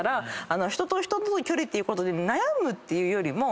人と人との距離ってことで悩むっていうよりも。